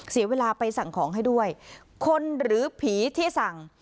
เสียเวลาไปสั่งของให้ด้วยคนหรือผีที่สั่ง